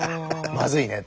「まずいね」